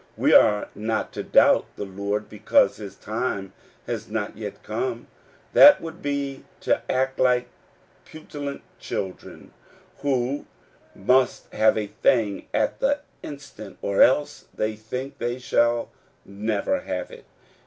We are not to doubt the Lord because his time has not yet come : that would be to act like petulant children, who must have a thing at the instant, or else they think they shall never have it.